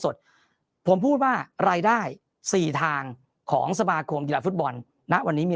สดผมพูดว่ารายได้สี่ทางของสมาคมกีฬาฟุตบอลณวันนี้มี